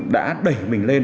đã đẩy mình lên